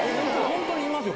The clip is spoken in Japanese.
本当に。